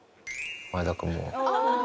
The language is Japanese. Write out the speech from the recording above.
前田君も。